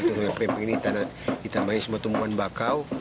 sungai perimping ini ditambahin semua tumbuhan bakau